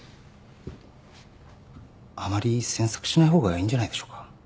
あまり詮索しない方がいいんじゃないでしょうか。